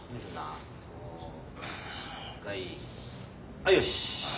はいよしっ！